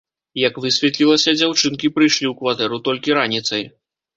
Як высветлілася, дзяўчынкі прыйшлі ў кватэру толькі раніцай.